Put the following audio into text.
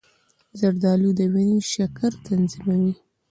زردآلو د وینې شکر تنظیموي.